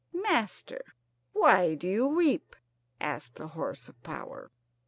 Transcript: "Master, why do you weep?" asked the horse of power.